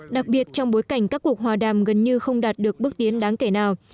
đặc biệt trong bối cảnh các cuộc hòa đàm gần như không đạt được bước tiến đáng kể nào